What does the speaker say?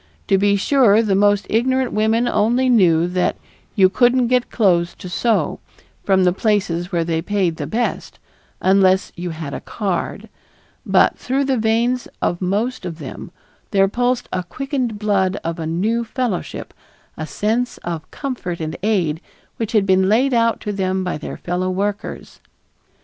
To be sure, the most ignorant women only knew that "you couldn't get clothes to sew" from the places where they paid the best, unless "you had a card," but through the veins of most of them there pulsed the quickened blood of a new fellowship, a sense of comfort and aid which had been laid out to them by their fellow workers.